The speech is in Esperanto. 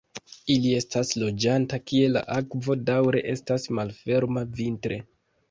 Ili estas loĝanta kie la akvo daŭre estas malferma vintre.